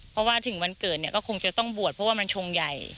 เพราะว่าถึงวันเกิดเนี่ยก็คงจะต้องบวชเพราะว่ามันชงใหญ่